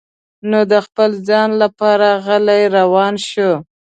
نو د خپل ځان لپاره غلی روان شو.